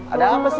ada apa sih